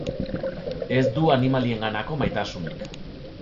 Ez du animalienganako maitasunik.